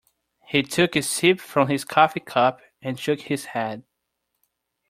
He took a sip from his coffee cup and shook his head.